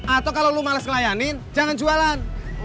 atau kalau lo males ngelayanin jangan jualan